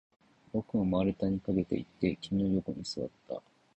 僕も丸太に駆けていって、君の横に座った